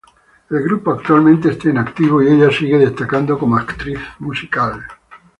El grupo actualmente está inactivo y ella sigue destacando como actriz musical.